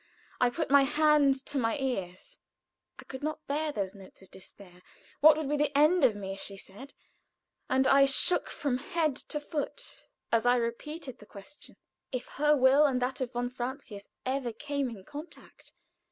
I put my hands to my ears; I could not bear those notes of despair. "What will be the end of me?" she said, and I shook from head to foot as I repeated the question. If her will and that of von Francius ever came in contact.